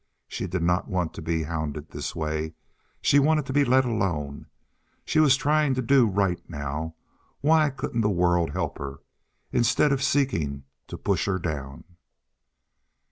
She did not want to be hounded this way. She wanted to be let alone. She was trying to do right now. Why couldn't the world help her, instead of seeking to push her down?